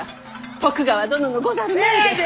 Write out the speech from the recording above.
徳川殿のござる前で。